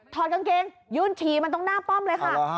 อดกางเกงยืนฉี่มาตรงหน้าป้อมเลยค่ะ